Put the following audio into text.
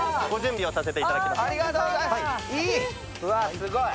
すごい！